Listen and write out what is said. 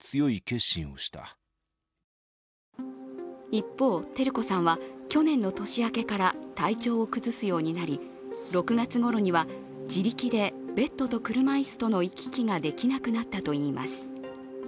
一方、照子さんは去年の年明けから体調を崩すようになり６月ごろには自力でベッドと車椅子との行き来ができなくなったといいます。